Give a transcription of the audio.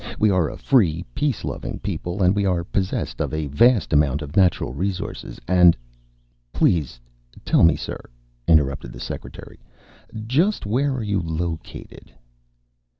We are a free, peace loving people and we are possessed of a vast amount of natural resources and " "Please tell me, sir," interrupted the secretary, "just where are you located?"